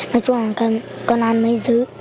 mà chúng còn ăn mấy dứ